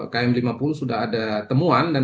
km lima puluh sudah ada temuan dan